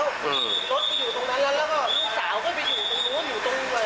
รถก็อยู่ตรงนั้นแล้วก็ลูกสาวก็ไปอยู่ตรงนู้น